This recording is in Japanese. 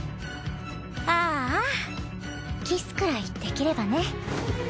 あぁキスくらいできればね。